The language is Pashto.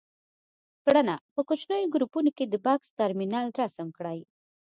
کړنه: په کوچنیو ګروپونو کې د بکس ترمینل رسم کړئ.